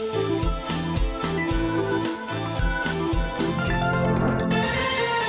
โปรดติดตามตอนต่อไป